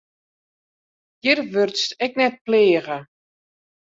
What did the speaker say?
Hjir wurdst ek net pleage.